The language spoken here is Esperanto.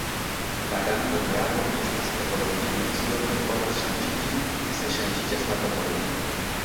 La rando de aro estas topologia nocio kaj povas ŝanĝiĝi se ŝanĝiĝas la topologio.